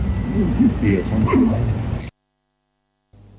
thì ở trong nhà thuốc